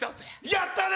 やったね！